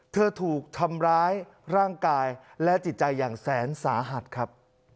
ถูกทำร้ายร่างกายและจิตใจอย่างแสนสาหัสครับ